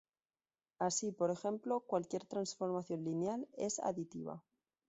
Así por ejemplo, cualquier transformación lineal es aditiva.